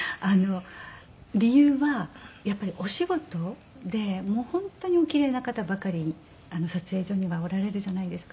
理由はやっぱりお仕事でもう本当にお奇麗な方ばかり撮影所にはおられるじゃないですか。